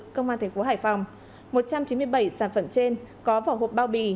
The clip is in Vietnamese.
công an tp hải phòng một trăm chín mươi bảy sản phẩm trên có vỏ hộp bao bì